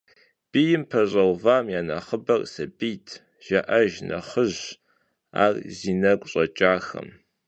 Бийм пэщӏэувам я нэхъыбэр сабийт, – жаӏэж нэхъыжь ар зи нэгу щӏэкӏахэм.